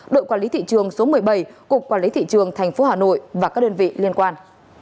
đội quản lý thị trường số một mươi bảy cục quản lý thị trường tp hà nội và các đơn vị liên quan